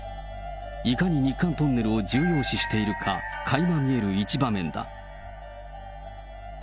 いかに日韓トンネルを重要視しているかかいま見える一場面だ。